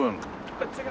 こっち側。